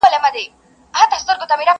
سره لمبه چي درته هر کلی او ښار دئ!!